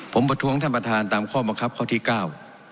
ผมประท้วงท่านประธานตามข้อบังคับข้อที่เก้า